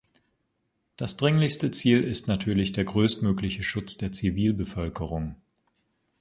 Das dringlichste Ziel ist natürlich der größtmögliche Schutz der Zivilbevölkerung.